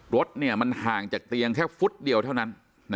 รถมันห่างจากเตียงแค่ฟุตเดียวเท่านั้น